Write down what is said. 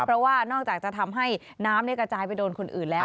เพราะว่านอกจากจะทำให้น้ำกระจายไปโดนคนอื่นแล้ว